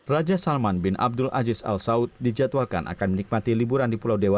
raja salman bin abdul aziz al saud dijadwalkan akan menikmati liburan di pulau dewa